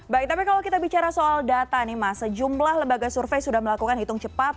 baik tapi kalau kita bicara soal data nih mas sejumlah lembaga survei sudah melakukan hitung cepat